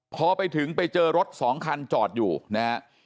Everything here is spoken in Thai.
พอไปถึงไปเจอรถสองคันจอดอยู่นะฮะ